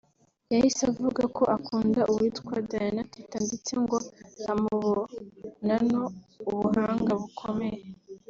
yahise avuga ko akunda uwitwa Diana Teta’ ndetse ngo amubonano ubahanga bukomeye